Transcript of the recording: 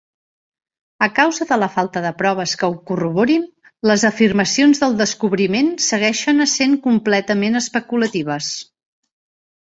A causa de la falta de proves que ho corroborin, les afirmacions del descobriment segueixen essent completament especulatives.